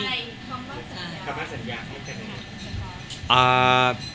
คำบังสัญละครับ